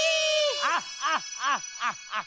ハッハッハッハ！